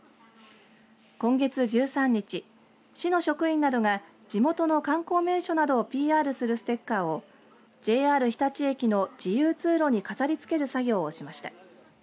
今月１３日市の職員などが地元の観光名所などをＰＲするステッカーをＪＲ日立駅の自由通路に飾りつける作業をしました。